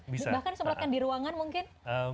bahkan semprotkan di ruangan mungkin